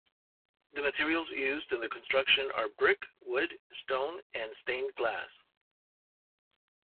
The materials used in the construction are brick, wood, stone and stained-glass.